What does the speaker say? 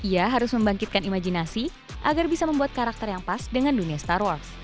ia harus membangkitkan imajinasi agar bisa membuat karakter yang pas dengan dunia star wars